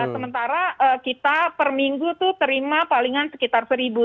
sementara kita per minggu itu terima palingan sekitar seribu